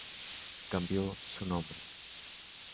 Cambió su nombre.